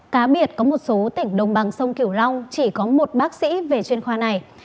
cá biệt có một số tỉnh đồng bằng sông kiểu long chỉ có một bác sĩ về chuyên khoa này